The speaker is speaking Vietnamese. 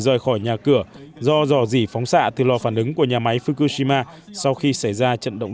rời khỏi nhà cửa do dò dỉ phóng xạ từ lò phản ứng của nhà máy fukushima sau khi xảy ra trận động